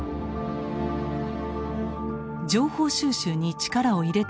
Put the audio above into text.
情報収集に力を入れていた期間